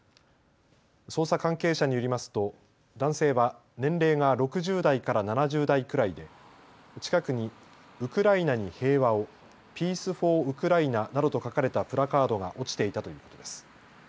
捜査関係者によりますと男性は年齢が６０代から７０代くらいで近くにウクライナに平和をｐｅａｃｅｆｏｒＵｋｒａｉｎｅなどと書かれたプラカードが落ちていたということです。